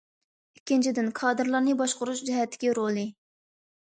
ئىككىنچىدىن، كادىرلارنى باشقۇرۇش جەھەتتىكى رولى.